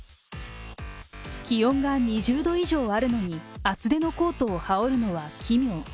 気温が２０度以上あるのに厚手のコートを羽織るのは奇妙。